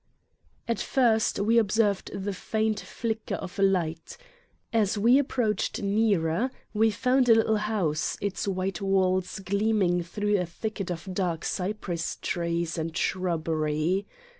At first we observed the faint flicker of a light. As we approached nearer we found a little house, its white walls gleaming through a thicket of dark cypress trees and shrubbery.